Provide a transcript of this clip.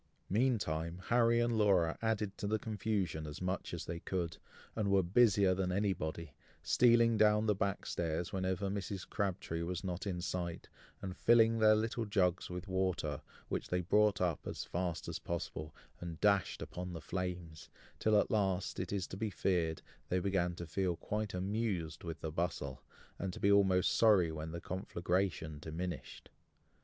Meantime Harry and Laura added to the confusion as much as they could, and were busier than anybody, stealing down the back stairs whenever Mrs. Crabtree was not in sight, and filling their little jugs with water, which they brought up, as fast as possible, and dashed upon the flames, till at last, it is to be feared, they began to feel quite amused with the bustle, and to be almost sorry when the conflagration diminished.